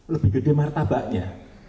lebih gede martabaknya